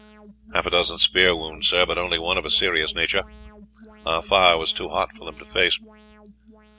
"Half a dozen spear wounds, sir, but only one of a serious nature; our fire was too hot for them to face."